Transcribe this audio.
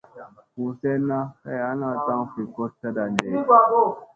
Buu senna kay ana taŋ fi koɗ taɗa ɗee.